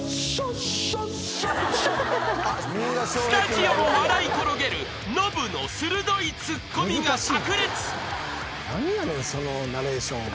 ［スタジオも笑い転げるノブの鋭いツッコミが炸裂］